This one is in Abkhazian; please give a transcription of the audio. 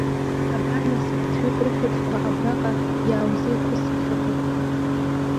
Абар нас, ԥыҭҩык рыхьыӡқәа абраҟа иааузеиқәысԥхьаӡап.